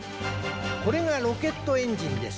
これがロケットエンジンです。